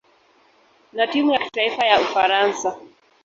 na timu ya kitaifa ya Ufaransa.